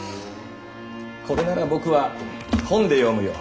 これなら僕は「本」で読むよ。